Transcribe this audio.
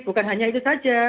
bukan hanya itu saja